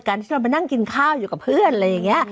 ที่เรามานั่งกินข้าวอยู่กับเพื่อนอะไรอย่างนี้